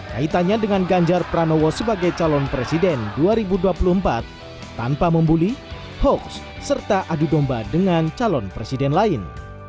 kaitannya dengan ganjar pranowo sebagai calon presiden dua ribu dua puluh empat tanpa membuli hoax serta adu domba dengan calon presiden lain